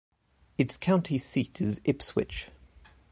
Its county seat is Ipswich.